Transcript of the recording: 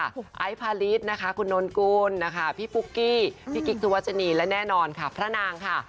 คุณไอซ์พาริสนะคะคุณนนกุลนะคะพี่ปุ๊กกี้พี่กิ๊กสุวัชนีและแน่นอนค่ะพระนางค่ะ